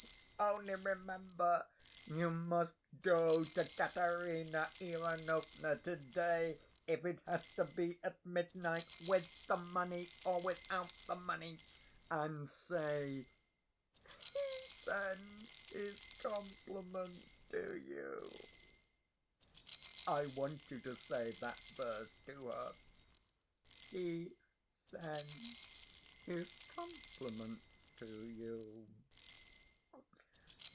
Only remember you must go to Katerina Ivanovna to‐day, if it has to be at midnight, with the money or without the money, and say, 'He sends his compliments to you.' I want you to say that verse to her: 'He sends his compliments to you.